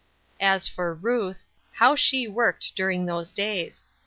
As for Ruth how she worked during these days!